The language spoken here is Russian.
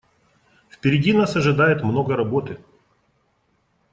Впереди нас ожидает много работы.